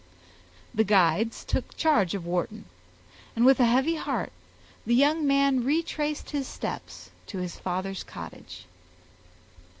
The guides took charge of Wharton, and, with a heavy heart, the young man retraced his steps to his father's cottage.